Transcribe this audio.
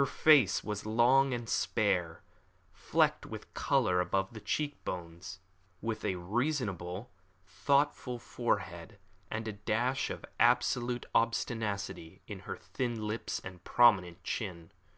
Her face was long and spare, flecked with colour above the cheek bones, with a reasonable, thoughtful forehead, and a dash of absolute obstinacy in her thin lips and prominent chin.